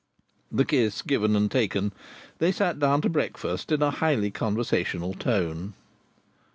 The kiss given and taken, they sat down to breakfast in a highly conversational tone.